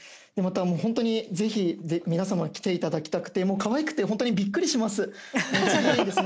本当に、ぜひ皆様に来ていただきたくて、もうかわいくて本当にびっくりします。